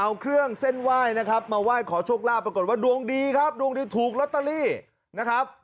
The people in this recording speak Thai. เอาเครื่องเส้นไหว้นะครับมาไหว้ขอโชคลาภปรากฏว่าดวงดีครับดวงดีถูกลอตเตอรี่นะครับ